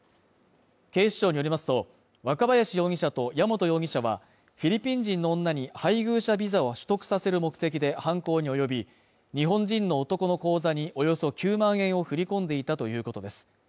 警視庁によりますと、若林容疑者と矢本容疑者はフィリピン人の女に配偶者ビザを取得させる目的で犯行におよび、日本人の男の口座におよそ９万円を振り込んでいたということです。